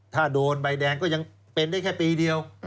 ถ้าโดนใบแดงก็ยังเป็นได้แค่ปีเดียว